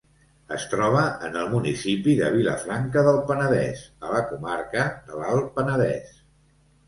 Es troba en el municipi de Vilafranca del Penedès, a la comarca de l'Alt Penedès.